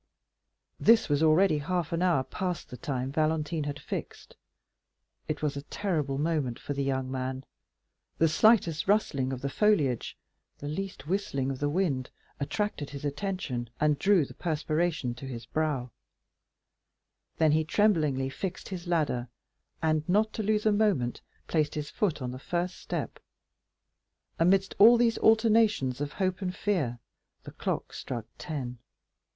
This was already half an hour past the time Valentine had fixed. It was a terrible moment for the young man. The slightest rustling of the foliage, the least whistling of the wind, attracted his attention, and drew the perspiration to his brow; then he tremblingly fixed his ladder, and, not to lose a moment, placed his foot on the first step. Amidst all these alternations of hope and fear, the clock struck ten.